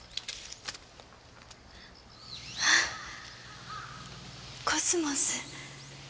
ああコスモス。